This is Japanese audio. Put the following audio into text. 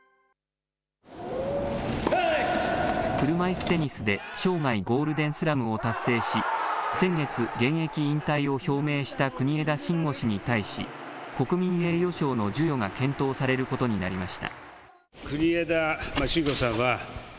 車いすテニスで生涯ゴールデンスラムを達成し、先月、現役引退を表明した国枝慎吾氏に対し、国民栄誉賞の授与が検討されることになりました。